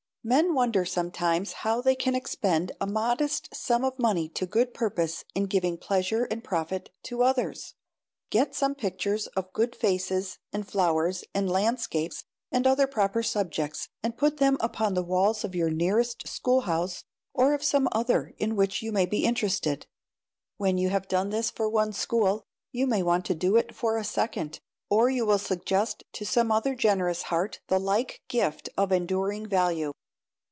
Men wonder sometimes how they can expend a modest sum of money to good purpose in giving pleasure and profit to others. Get some pictures of good faces, and flowers, and landscapes, and other proper subjects, and put them upon the walls of your nearest school house, or of some other in which you may be interested. When you have done this for one school you may want to do it for a second, or you will suggest to some other generous heart the like gift of enduring value.